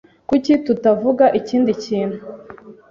Kuki tutavuga ikindi kintu?